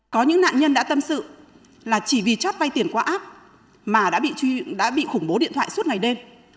có những nạn nhân đã tâm sự là chỉ vì chót vay tiền qua app mà đã bị khủng bố điện thoại suốt ngày đêm